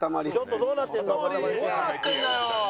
どうなってるんだよ！